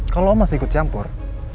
kalau masih ikut campur